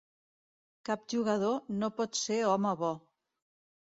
Cap jugador no pot ser home bo.